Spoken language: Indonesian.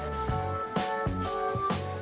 nah sudah ada listnya